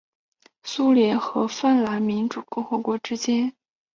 苏联和芬兰民主共和国之间和睦相处关系。